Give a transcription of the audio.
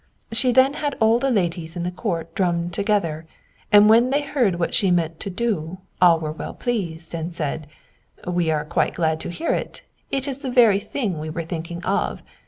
She then had all the ladies of the court drummed together; and when they heard what she meant to do, all were well pleased, and said, 'We are quite glad to hear it: it is the very thing we were thinking of.'